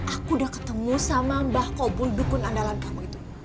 aku udah ketemu sama mbah kobul dukun andalan kamu itu